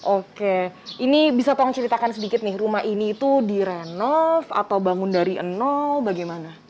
oke ini bisa tolong ceritakan sedikit nih rumah ini itu direnov atau bangun dari nol bagaimana